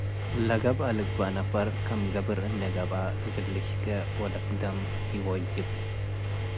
ለገብአ ልግበእ ነፈር ክም ገብር እንዴ ገብአ እግል ልሽቄ ወልክደም ኢወጅብ።